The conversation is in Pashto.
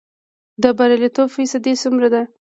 د بریالیتوب فیصدی څومره ده؟